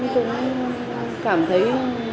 cũng cảm thấy